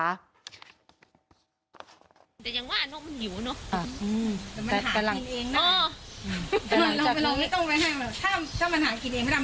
มึงว่าอยู่มาตั้งนานแล้วแต่มันไม่ได้เกี่ยวกับป้านะไอ้ข่ายบ้าน